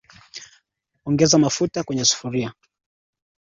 Ongeza mafuta kwenye sufuria